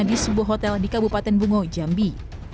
di sebuah hotel di kabupaten bungo jambi